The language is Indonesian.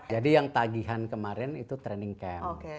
jadi yang tagihan kemarin itu training camp